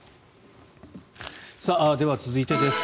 では、続いてです。